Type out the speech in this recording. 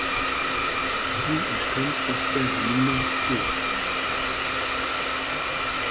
Sie entstand aus der "Gmina Szczyrk".